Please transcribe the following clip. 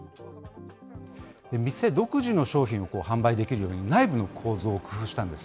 店独自の商品を販売できるように、内部の構造を工夫したんです。